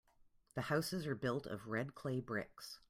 The houses are built of red clay bricks.